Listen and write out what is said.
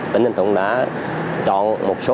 tỉnh ninh thuận đã chọn